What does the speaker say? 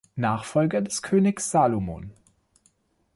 Nachfolger des Königs Salomon.